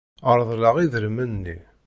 Reḍleɣ idrimen-nni.